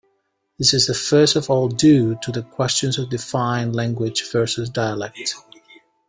This is first of all due to the question of defining "language" versus "dialect".